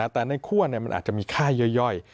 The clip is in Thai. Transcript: แต่ในคั่วมันอาจจะมีค่าย่อย